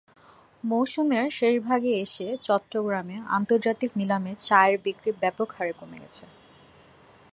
মৌসুমের শেষভাগে এসে চট্টগ্রামে আন্তর্জাতিক নিলামে চায়ের বিক্রি ব্যাপক হারে কমে গেছে।